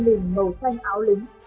mình màu xanh áo lính